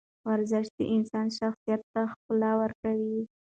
ورزش د انسان شخصیت ته ښکلا ورکوي.